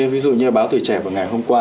ví dụ như báo tuổi trẻ vào ngày hôm qua